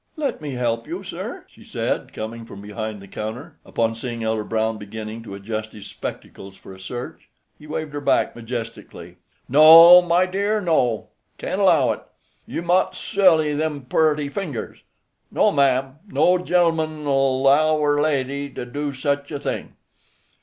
"Let me help you, sir," she said, coming from behind the counter, upon seeing Elder Brown beginning to adjust his spectacles for a search. He waved her back majestically. "No, my dear, no; can't allow it. You mout sile them purty fingers. No, ma'am. No gen'l'man'll 'low er lady to do such a thing."